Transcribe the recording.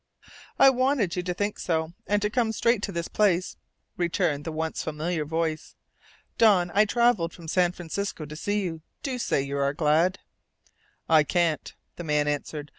"I wanted you to think so, and to come straight to this place," returned the once familiar voice. "Don, I've travelled from San Francisco to see you. Do say you are glad!" "I can't," the man answered.